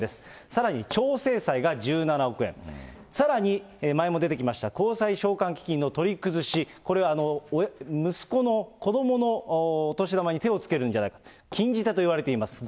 さらに調整債が１７億円、さらに前も出てきました、公債償還基金の取り崩し、これ、息子の、子どものお年玉に手をつけるんじゃ、禁じ手といわれています。